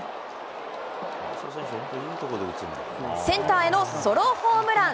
センターへのソロホームラン。